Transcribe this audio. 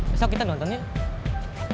besok kita nonton ya